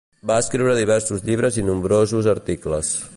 Va escriure diversos llibres i nombrosos articles.